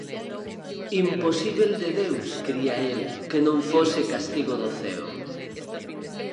Imposíbel de Deus, cría el, que non fose castigo do ceo.